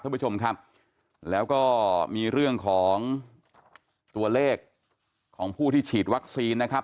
ท่านผู้ชมครับแล้วก็มีเรื่องของตัวเลขของผู้ที่ฉีดวัคซีนนะครับ